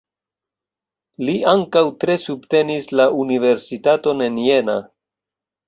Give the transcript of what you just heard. Li ankaŭ tre subtenis la Universitaton en Jena.